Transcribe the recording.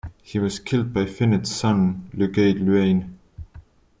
He was killed by Finnat's son Lugaid Luaigne.